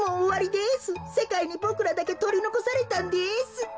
せかいにボクらだけとりのこされたんです。